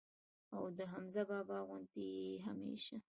او د حمزه بابا غوندي ئې هميشه